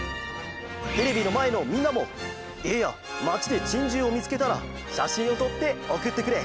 テレビのまえのみんなもいえやまちでチンジューをみつけたらしゃしんをとっておくってくれ！